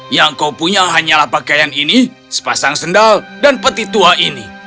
yang kau punya hanyalah pakaian ini sepasang sendal dan peti tua ini